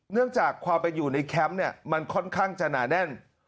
เนื่องจากความเป็นอยู่ในแคมป์เนี่ยมันค่อนข้างจะหนาแน่น